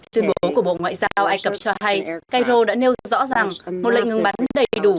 tuyên bố của bộ ngoại giao ai cập cho hay cairo đã nêu rõ rằng một lệnh ngừng bắn đầy đủ